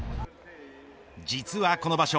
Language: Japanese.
実はこの場所。